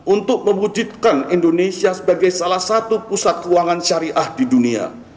untuk mewujudkan indonesia sebagai salah satu pusat keuangan syariah di dunia